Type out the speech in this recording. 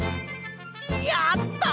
やった！